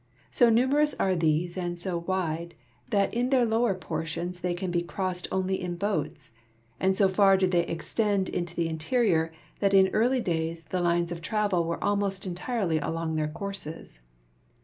So numerous are these and so wide that in their lower ]>ortions they can be crossed onlv in boats, and so far do they extend into the interior that in early days the lines of travel were almost entirel\^ along their courses.